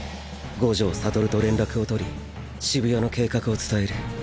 五条悟と連絡を取り渋谷の計画を伝える。